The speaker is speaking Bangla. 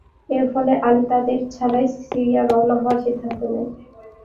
এর ফলে আলী তাদের ছাড়াই সিরিয়া রওনা হওয়ার সিদ্ধান্ত নেন।